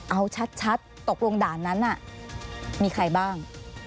เอาชัดตกลงด่านนั้นมีใครบ้าง